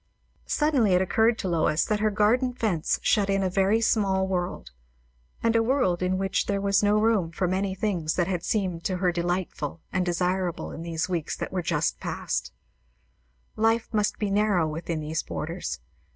Suddenly it occurred to Lois that her garden fence shut in a very small world, and a world in which there was no room for many things that had seemed to her delightful and desirable in these weeks that were just passed. Life must be narrow within these borders.